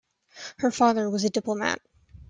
Her father was a diplomat.